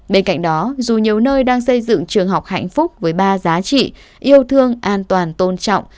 bên cạnh đó dù nhiều nơi đang xây dựng trường học hạnh phúc với ba giá trị yêu thương an toàn tôn trọng